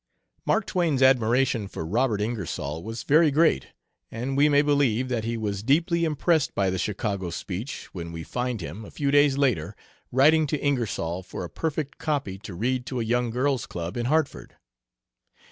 Mark Twain's admiration for Robert Ingersoll was very great, and we may believe that he was deeply impressed by the Chicago speech, when we find him, a few days later, writing to Ingersoll for a perfect copy to read to a young girls' club in Hartford.